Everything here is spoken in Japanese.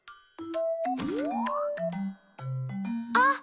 あっ！